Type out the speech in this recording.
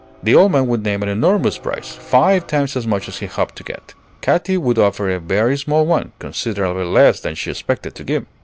The old man would name an enormous price, five times as much as he hoped to get. Katy would offer a very small one, considerably less than she expected to give.